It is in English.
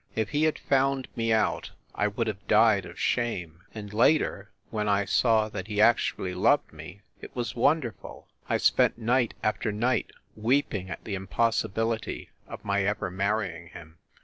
If he had found me out I would have died of shame. And later, when I saw that he actually loved me, ... it was wonderful! ... I spent night after night weeping at the impossibility of my ever mar rying him.